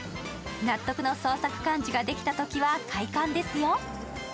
納得の創作漢字ができたときは快感ですよ。